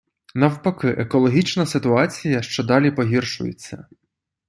Навпаки — екологічна ситуація щодалі погіршується.